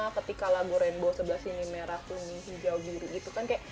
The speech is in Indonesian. ketika lago rainbow sebelah sini merah kuning hijau biru gitu kan kayak